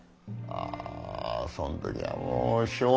あそん時はもうしょうがない。